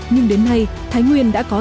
nhưng đến nay thái nguyên đã có